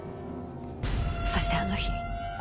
そしてあの日。